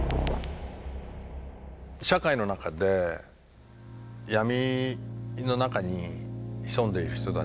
社会の中で闇の中に潜んでいる人たち。